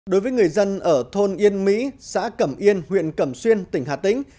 đối với người dân ở thôn yên mỹ xã cẩm yên huyện cẩm xuyên tỉnh hà tĩnh